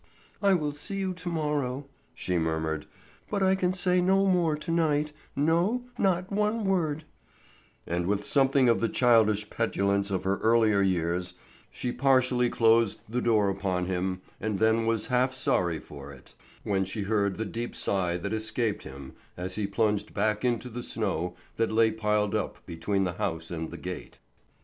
"I will see you to morrow," she murmured, "but I can say no more to night—no, not one word"; and with something of the childish petulance of her earlier years she partially closed the door upon him, and then was half sorry for it, when she heard the deep sigh that escaped him as he plunged back into the snow that lay piled up between the house and the gate.